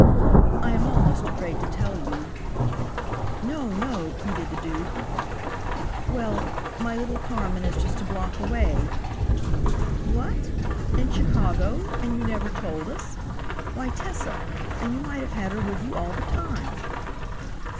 "I am almost afraid to tell you." "No, no," pleaded the Duke. "Well–my little Carmen is just a block away." "What! in Chicago! And you never told us! Why Tessa–and you might have had her with you all the time!"